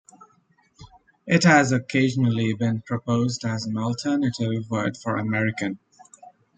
It has occasionally been proposed as an alternative word for "American".